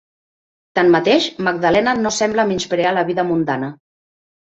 Tanmateix, Magdalena no sembla menysprear la vida mundana.